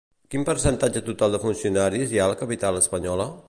Quin percentatge total de funcionaris hi ha a la capital espanyola?